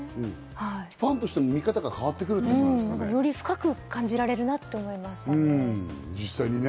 ファンとしても見方が変わっより深く感じられるなって思いましたね。